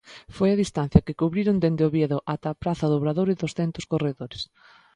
Foi a distancia que cubriron dende Oviedo ata a praza do Obradoiro douscentos corredores.